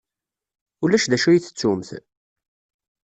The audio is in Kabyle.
Ulac d acu ay tettumt?